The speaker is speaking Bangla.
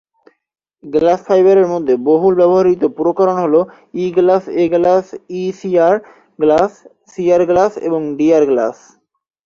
গ্লাস ফাইবারের মধ্যে বহুল ব্যবহৃত প্রকরণ হল E glass, A glass, E CR glass, C glass, এবং ডি-গ্লাস।